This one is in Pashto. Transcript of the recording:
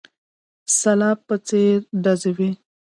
سلاب په څېر ډزې وې.